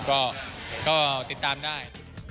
ก็ติดตามได้